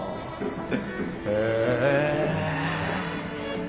へえ。